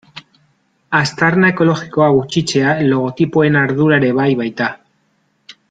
Aztarna ekologikoa gutxitzea logotipoen ardura ere bai baita.